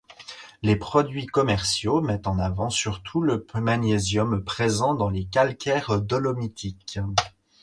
Les produits commerciaux mettent en avant surtout le magnésium présent dans les calcaires dolomitiques.